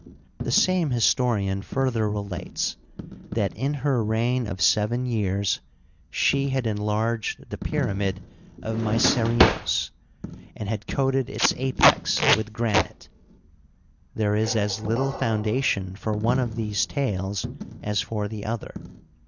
The same historian further relates that, in her reign of seven years, she had enlarged the pyramid of Mycerinos, and had coated its apex with granite. There is as little foundation for one of these tales as for the other.